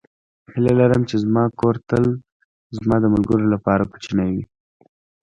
هیله لرم چې زما کور تل زما د ملګرو لپاره کوچنی وي.